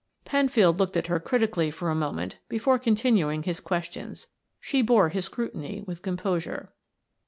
Penfield looked at her critically for a moment before continuing his questions. She bore his scrutiny with composure.